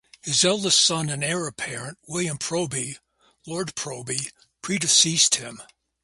His eldest son and heir apparent, William Proby, Lord Proby, predeceased him.